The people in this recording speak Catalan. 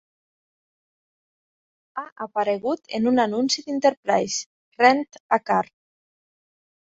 Ha aparegut en un anunci d'Enterprise Rent-A-Car.